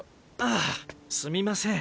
あすみません。